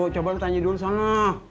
coba tanya dulu sana